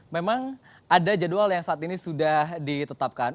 memang ada jadwal yang saat ini sudah ditetapkan